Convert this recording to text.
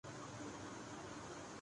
تو کمزوریوں پہ بھی پردہ پڑ جاتاہے۔